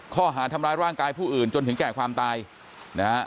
ข้อหาทำร้ายร่างกายผู้อื่นจนถึงแก่ความตายนะฮะ